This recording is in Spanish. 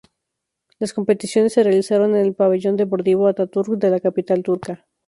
Las competiciones se realizaron en el Pabellón Deportivo Atatürk de la capital turca.